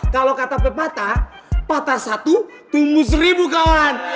kalau kata pepatah pepatah satu tumbuh seribu kawan